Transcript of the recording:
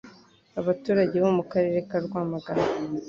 Abaturage bo mu karere ka Rwamagana